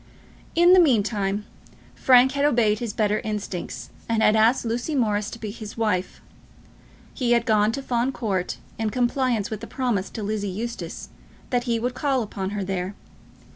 In the meantime Frank had obeyed his better instincts, and had asked Lucy Morris to be his wife. He had gone to Fawn Court in compliance with a promise to Lizzie Eustace, that he would call upon her there.